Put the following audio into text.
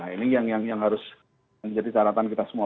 ini yang harus menjadi syaratan kita semua